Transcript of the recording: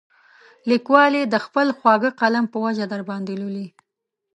لیکوال یې د خپل خواږه قلم په وجه درباندې لولي.